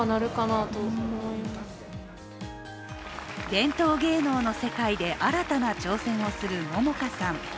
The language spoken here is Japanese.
伝統芸能の世界で、新たな挑戦をする桃花さん。